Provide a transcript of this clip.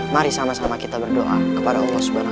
mari sama sama kita berdoa kepada allah swt